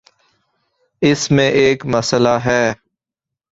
اس میں ایک مسئلہ ہے۔